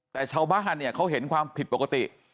แต่ชาวบ้านเนี่ยเขาเห็นความผิดปกติ